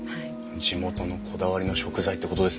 地元のこだわりの食材ってことですね。